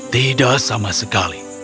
tidak sama sekali